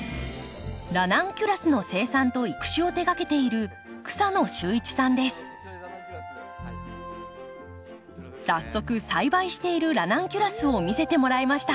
ラナンキュラスの生産と育種を手がけている早速栽培しているラナンキュラスを見せてもらいました。